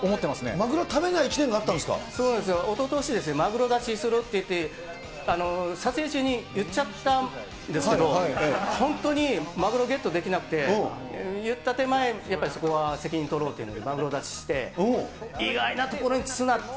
マグロ食べない１年があったそうなんですよ、おととしですね、マグロ断ちするって言って、撮影中に言っちゃったんですけど、本当にマグロゲットできなくて、言った手前、やっぱりそこは責任取ろうというのでマグロ断ちして、意外な所に確かに。